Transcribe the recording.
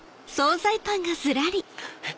えっ？